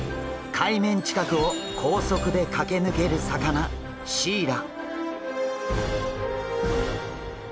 海面近くを高速で駆け抜ける魚シイラ。